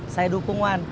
saya dukung wan